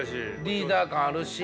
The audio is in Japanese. リーダー感あるし。